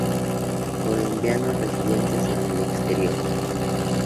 Colombianos residentes en el exterior.